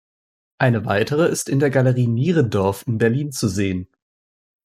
Eine weitere ist in der Galerie Nierendorf in Berlin zu sehen.